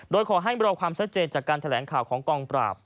โดยขอให้รอความชัดเจนจากการแถลงข่าวของกองปราบ